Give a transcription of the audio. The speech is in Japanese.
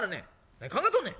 「何考えとんねん！